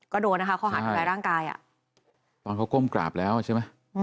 ก็โดนนะคะข้อหาทำร้ายร่างกายอ่ะตอนเขาก้มกราบแล้วใช่ไหม